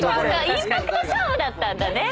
インパクト勝負だったんだね！